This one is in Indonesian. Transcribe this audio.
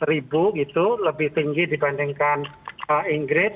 dari rp lima belas gitu lebih tinggi dibandingkan inggris